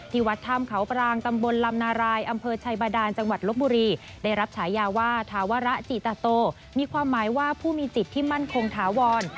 วัดถ้ำเขาปรางตำบลลำนารายอำเภอชัยบาดานจังหวัดลบบุรีได้รับฉายาว่าทาวระจิตาโตมีความหมายว่าผู้มีจิตที่มั่นคงถาวร